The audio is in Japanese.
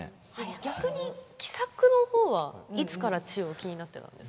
逆に喜作のほうはいつから千代、気になってたんですか？